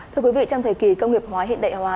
thưa quý vị trong thời kỳ công nghiệp hóa hiện đại hóa